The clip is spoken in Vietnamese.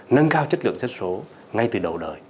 nâng cao chất lượng dân số ngay từ đầu đời